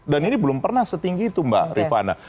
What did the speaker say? dan ini belum pernah setinggi itu mbak rifana